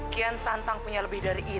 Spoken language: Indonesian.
kian santang punya lebih dari ini